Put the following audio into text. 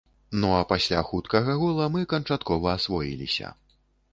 Ну а пасля хуткага гола мы канчаткова асвоіліся.